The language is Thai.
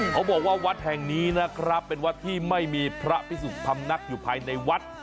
เขาบอกว่าวัดแห่งนี้นะครับเป็นวัดที่ไม่มีพระพิสุกทำนักอยู่ภายในวัด